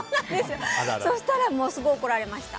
そしたら、すごい怒られました。